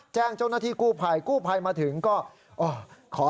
แจ้งเจ้าหน้าที่กู้ภัยกู้ภัยมาถึงก็ขอ